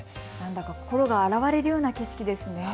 心が洗われるような景色ですね。